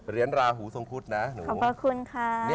เรียนราหูทรงพุธนะขอบพระคุณค่ะ